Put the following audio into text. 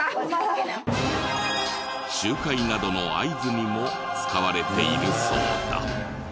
集会などの合図にも使われているそうだ。